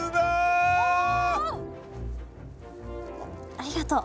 ありがとう。